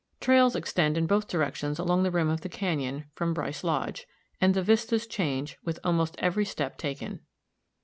Trails extend in both directions along the rim of the Canyon from Bryce Lodge and the vistas change with almost every step taken.